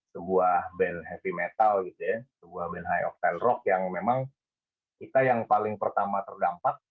sebuah band heavy metal sebuah band high octane rock yang memang kita yang paling pertama terdampak